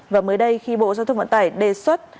và mới đây khi bộ giao thông vận tải đề xuất